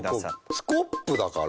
スコップだから。